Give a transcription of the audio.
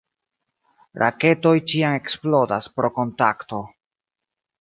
Raketoj ĉiam eksplodas pro kontakto.